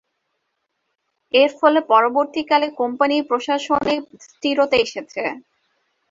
এরফলে পরবর্তীকালে কোম্পানির প্রশাসনে স্থিরতা এসেছে।